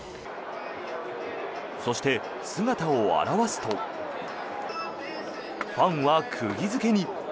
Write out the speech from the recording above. そして、姿を現すとファンは釘付けに。